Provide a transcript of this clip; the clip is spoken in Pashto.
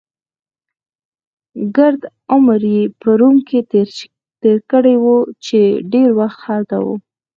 ګرد عمر يې په روم کې تېر کړی وو، چې ډېر وخت هلته و.